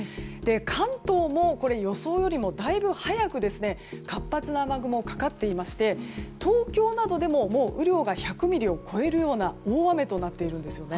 関東も予想よりもだいぶ早く活発な雨雲がかかっていまして東京などでももう雨量が１００ミリを超えるような大雨となっているんです。